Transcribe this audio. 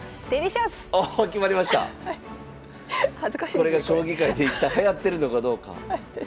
これが将棋界で一体はやってるのかどうか。